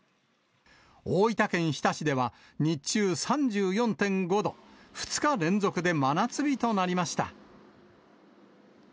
大分県日田市では日中、３４．５度、２日連続で真夏日となりました。